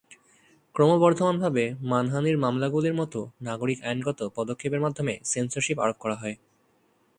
ক্রমবর্ধমানভাবে, মানহানির মামলাগুলির মতো নাগরিক আইনগত পদক্ষেপের মাধ্যমে সেন্সরশিপ আরোপ করা হয়।